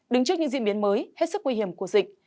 đứng trước những diễn biến mới hết sức nguy hiểm của dịch